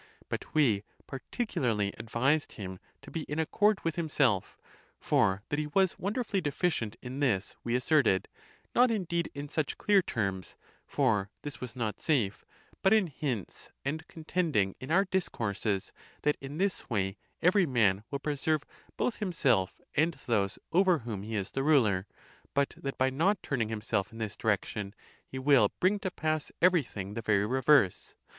But we particularly advised him to be in accord with himself; for that he was wonderfully deficient in this we asserted, not indeed in such clear terms—for this was not safe—but in hints and contending in our discourses, that in this way every man will preserve both himself and those over whom he is the ruler; but that by not turning himself in this direction he will bring to pass every thing the very reverse.